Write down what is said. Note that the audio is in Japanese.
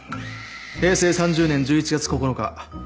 平成３０年１１月９日事件